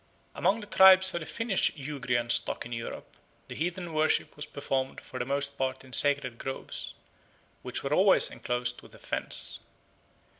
Among the tribes of the Finnish Ugrian stock in Europe the heathen worship was performed for the most part in sacred groves, which were always enclosed with a fence.